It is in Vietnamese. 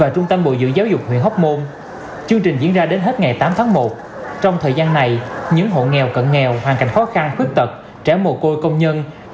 trong thời gian này những hộ nghèo cận nghèo hoàn cảnh khó khăn khuyết tật trẻ mồ côi công nhân